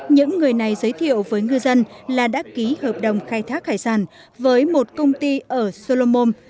những người này giới thiệu với ngư dân là đã ký hợp đồng khai thác hải sản với một công ty ở solomom